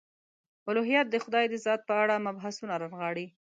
الهیات د خدای د ذات په اړه مبحثونه رانغاړي.